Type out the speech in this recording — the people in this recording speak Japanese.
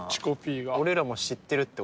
俺らも知ってるって事？